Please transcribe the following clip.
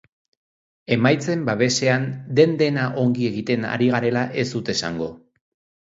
Emaitzen babesean den-dena ongi egiten ari garela ez dut esango.